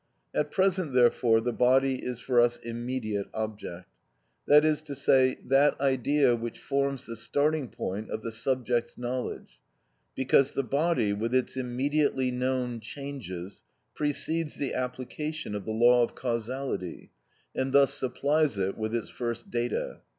At present therefore the body is for us immediate object; that is to say, that idea which forms the starting point of the subject's knowledge; because the body, with its immediately known changes, precedes the application of the law of causality, and thus supplies it with its first data.